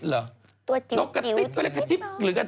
ตัวจิ๊วที่ที่น้อง